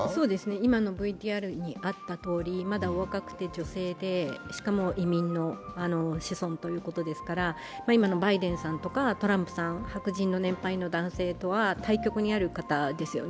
今のＶＴＲにあったとおりまだお若くて女性でしかも移民の子孫ということですから、今のバイデンさんとかトランプさん、白人の年配の男性とは対極にある方ですよね。